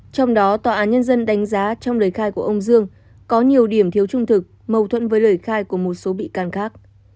trong đó tòa án nhân dân đánh giá trong lời khai của ông dương có nhiều điểm thiếu trung thực mâu thuẫn với lời khai của một số bị can khác